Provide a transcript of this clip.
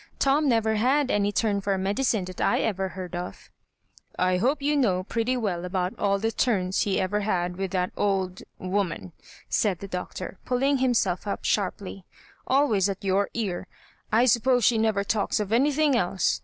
Tom never had any turn for medicine that I ever heard of '*" I hope you know pretty well about all the turns he ever had with that old — woman," said the Doctor, pulling himself up sharply, " always at your ear. I suppose she never talks of any thing else.